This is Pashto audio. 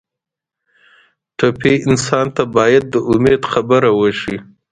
ټپي انسان ته باید د امید خبره وشي.